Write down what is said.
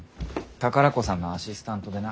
宝子さんのアシスタントでな。